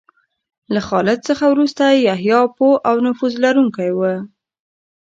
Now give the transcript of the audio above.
له خالد څخه وروسته یحیی پوه او نفوذ لرونکی و.